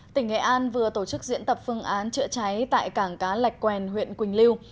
tỉnh nghệ an vừa tổ chức diễn tập phương án chữa cháy tại cảng cá lạch quèn huyện quỳnh lưu